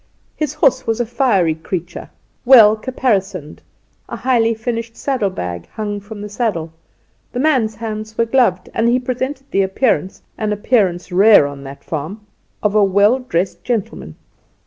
His horse was a fiery creature, well caparisoned; a highly finished saddlebag hung from the saddle; the man's hands were gloved, and he presented the appearance an appearance rare on that farm of a well dressed gentleman.